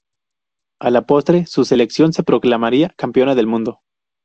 A la postre, su selección se proclamaría campeona del mundo.